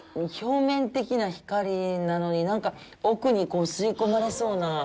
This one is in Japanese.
表面的な光なのになんか奥に吸い込まれそうな。